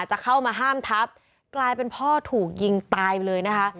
จะเข้ามาห้ามทับกลายเป็นพ่อถูกยิงตายไปเลยนะคะ